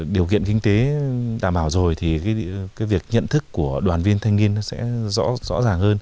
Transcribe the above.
điều kiện kinh tế đảm bảo rồi thì cái việc nhận thức của đoàn viên thanh niên nó sẽ rõ ràng hơn